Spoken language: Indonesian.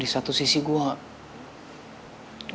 di satu sisi gue